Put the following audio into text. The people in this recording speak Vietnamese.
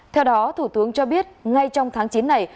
theo đó thủ tướng cho biết ngay trong tháng chín này